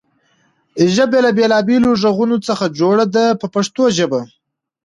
ژبه له بېلابېلو غږونو څخه جوړه ده په پښتو ژبه.